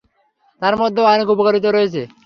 তার মধ্যে অনেক উপকারিতাও রয়েছে।